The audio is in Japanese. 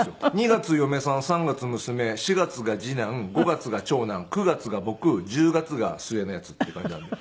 ２月嫁さん３月娘４月が次男５月が長男９月が僕１０月が末のヤツって感じなんで。